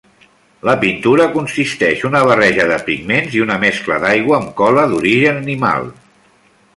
La pintura consisteix una barreja de pigments i una mescla d'aigua amb cola d'origen animal.